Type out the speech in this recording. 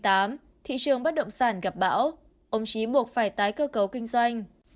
trong lĩnh vực bắt động sản gặp bão ông trí buộc phải tái cơ cấu kinh doanh